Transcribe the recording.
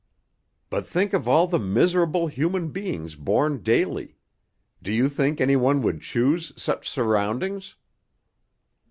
"But think of all the miserable human beings born daily. Do you think any one would choose such surroundings?"